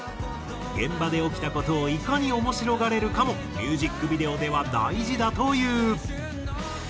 現場で起きた事をいかに面白がれるかもミュージックビデオでは大事だという。